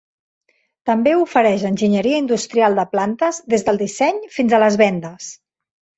També ofereix enginyeria industrial de plantes, des del disseny fins a les vendes.